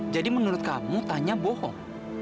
jadi menurut kamu tanya bohong